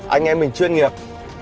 anh em mình chuyên nghiệp